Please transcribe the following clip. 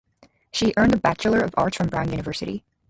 She earned an Bachelor of Arts from Brown University.